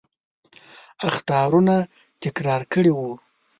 اخطارونه تکرار کړي وو.